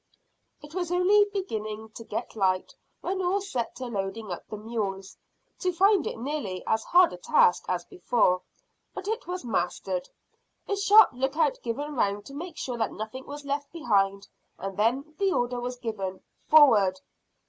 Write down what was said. It was only beginning to get light when all set to loading up the mules, to find it nearly as hard a task as before; but it was mastered, a sharp lookout given round to make sure that nothing was left behind, and then the order was given, "Forward!"